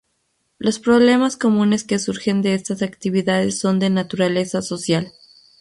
Los problemas comunes que surgen de estas actividades son de naturaleza social.